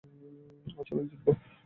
আজ আমি জিতবো।